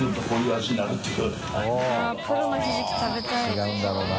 違うんだろうな。